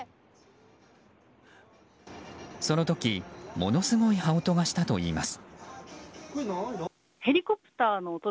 その時ものすごい羽音がしたといいます。